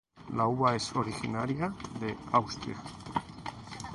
La uva es originaria de Austria.